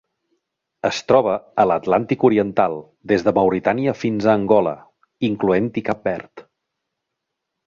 Es troba a l'Atlàntic oriental: des de Mauritània fins a Angola, incloent-hi Cap Verd.